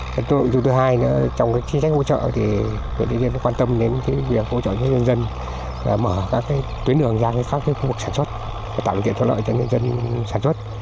cây dâu thứ hai nữa trong cái chương trình hỗ trợ thì huyện yên đều quan tâm đến cái việc hỗ trợ cho nhân dân và mở các cái tuyến đường ra các cái khu vực sản xuất và tạo điều kiện thuận lợi cho nhân dân sản xuất